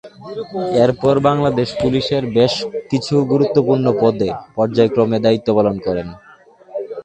এরপর বাংলাদেশ পুলিশ এর বেশ কিছু গুরুত্বপূর্ণ পদে পর্যায়ক্রমে দায়িত্ব পালন করেন।